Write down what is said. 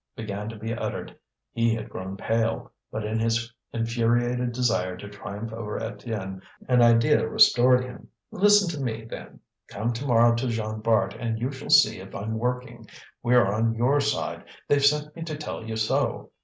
began to be uttered. He had grown pale. But, in his infuriated desire to triumph over Étienne, an idea restored him. "Listen to me, then! come to morrow to Jean Bart, and you shall see if I'm working! We're on your side; they've sent me to tell you so.